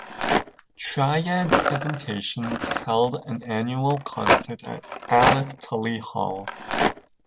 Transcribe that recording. Triad Presentations held an annual concert at Alice Tully Hall.